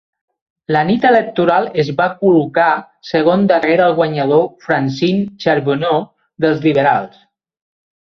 La nit electoral es va col·locar segon darrere el guanyador Francine Charbonneau dels Liberals.